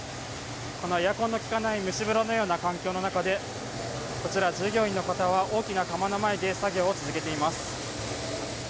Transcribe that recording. このエアコンの利かない蒸し風呂のような環境の中でこちら、従業員の方は大きな釜の前で作業を続けています。